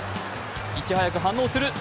いち早く反応する。